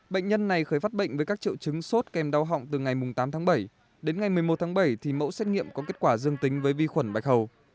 bệnh nhân này khởi phát bệnh với các triệu chứng sốt kèm đau họng từ ngày tám tháng bảy đến ngày một mươi một tháng bảy thì mẫu xét nghiệm có kết quả dương tính với vi khuẩn bạch hầu